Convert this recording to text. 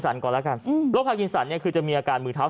ก่อนแล้วกันอืมโรคพากินสันเนี่ยคือจะมีอาการมือเท้า